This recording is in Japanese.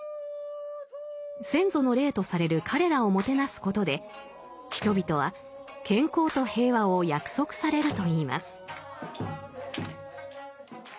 先祖の霊とされる彼らをもてなすことで人々は健康と平和を約束されるといいます。